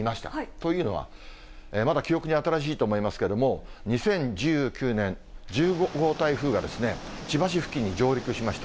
というのは、まだ記憶に新しいと思いますけれども、２０１９年１５号台風が、千葉市付近に上陸しました。